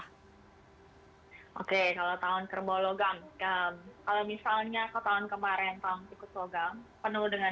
hai oke kalau tahun kerbau logam kalau misalnya ke tahun kemarin tahun kerbau logam penuh dengan